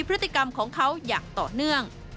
พฤติกรรมของเขาอย่างต่อเนื่อง